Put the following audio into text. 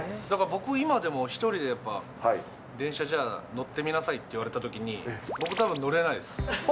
だから僕、今でも１人でやっぱり、電車じゃあ、乗ってみなさいって言われたときに、僕たぶん乗れないです。